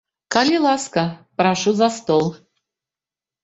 Калі ласка, прашу за стол.